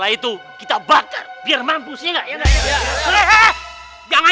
ayo aja berhutang